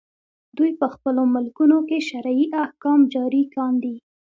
دوی په خپلو ملکونو کې شرعي احکام جاري کاندي.